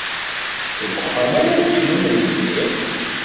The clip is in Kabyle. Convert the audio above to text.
Deg uxxam ara ččen imensi?